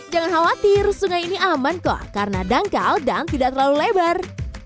jangan khawatir sungai ini aman kok karena dangkal dan tidak terlalu lebar